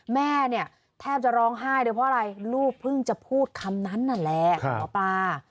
แม่เนี่ยแทบจะร้องไห้เลยเพราะอะไรลูกเพิ่งจะพูดคำนั้นนั่นแหละหมอปลา